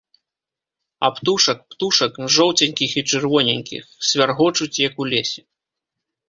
А птушак, птушак, жоўценькіх і чырвоненькіх, свяргочуць, як у лесе.